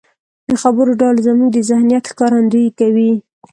د خبرو ډول زموږ د ذهنيت ښکارندويي کوي.